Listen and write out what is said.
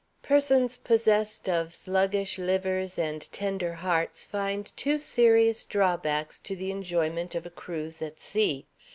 Persons possessed of sluggish livers and tender hearts find two serious drawbacks to the enjoyment of a cruise at sea.